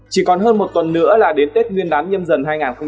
chỉ còn hơn một tuần nữa là đến tết nguyên đán nhâm dần hai nghìn hai mươi bốn